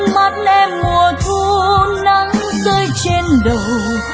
mắt em mùa thu nắng rơi trên đầu